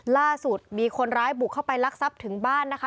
ล่าสุดมีคนร้ายบุกเข้าไปลักทรัพย์ถึงบ้านนะคะ